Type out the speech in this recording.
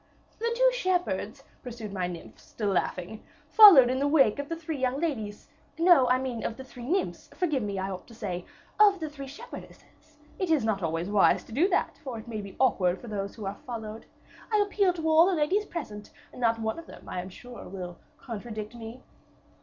"'The two shepherds,' pursued my nymph, still laughing, 'followed in the wake of the three young ladies,' no, I mean, of the three nymphs; forgive me, I ought to say, of the three shepherdesses. It is not always wise to do that, for it may be awkward for those who are followed. I appeal to all the ladies present, and not one of them, I am sure, will contradict me."